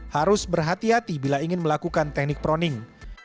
harus berhati hati bila ingin melakukan teknik proning